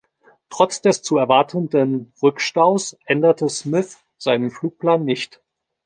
Trotz des zu erwartenden Rückstaus änderte Smith seinen Flugplan nicht.